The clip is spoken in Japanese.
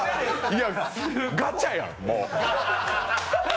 いや、ガチャやん、もう。